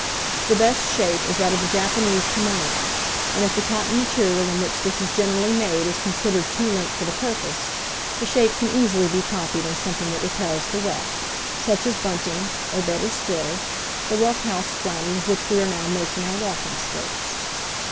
The best shape is that of the Japanese kimono, and if the cotton material in which this is generally made is considered too limp for the purpose, the shape can easily be copied in something that repels the wet, such as bunting or, better still, the rough house flannel of which we are now making our walking skirts.